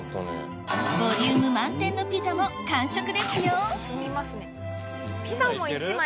ボリューム満点のピザも完食ですよ